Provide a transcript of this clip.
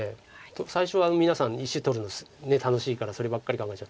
最初は皆さん石取るの楽しいからそればっかりかもしれない。